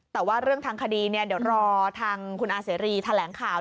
แต่ว่าเรื่องทางคดีเดี๋ยวรอทางคุณอาเสรีแถลงข่าว